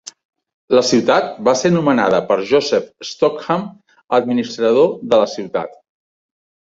La ciutat va ser nomenada per Joseph Stockham, administrador de la ciutat.